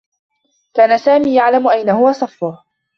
كان سامي يعلم أين هو صفّه.